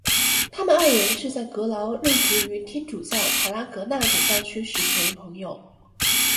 他们二人是在格劳任职于天主教塔拉戈纳总教区时成为朋友。